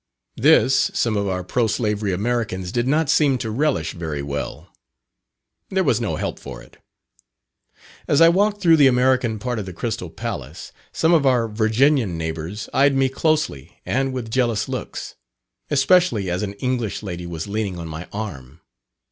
This, some of our pro slavery Americans did not seem to relish very well. There was no help for it. As I walked through the American part of the Crystal Palace, some of our Virginian neighbours eyed me closely and with jealous looks, especially as an English lady was leaning on my arm.